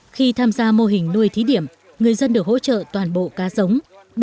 khi tham gia mô hình nuôi thí điểm người dân được hỗ trợ toàn bộ cá giống